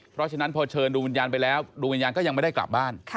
เพราะฉะนั้นพอเชิญดวงวิญญาณไปแล้วดวงวิญญาณก็ยังไม่ได้กลับบ้าน